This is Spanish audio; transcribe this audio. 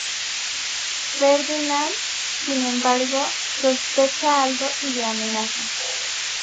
Ferdinand, sin embargo, sospecha algo y le amenaza.